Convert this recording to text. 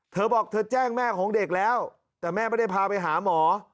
เธอบอกเธอแจ้งแม่ของเด็กแล้วแต่แม่ไม่ได้พาไปหาหมอ